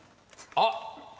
あっ。